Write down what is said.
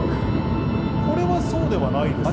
これはそうではないですね。